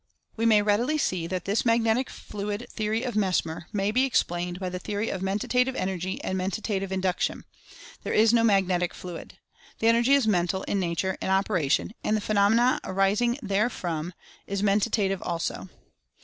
We may readily see that this "magnetic fluid" the ory of Mesmer may be explained by the theory of Men tative Energy, and Mentative Induction. There is no "magnetic" fluid. The Energy is Mental in nature and operation and the phenomena arising therefrom is 42 Mental Fascination Mentative also.